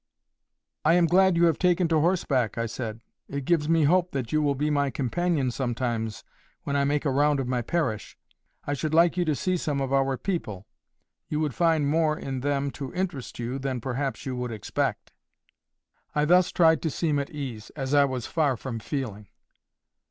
"I am glad you have taken to horseback," I said. "It gives me hope that you will be my companion sometimes when I make a round of my parish. I should like you to see some of our people. You would find more in them to interest you than perhaps you would expect." I thus tried to seem at ease, as I was far from feeling.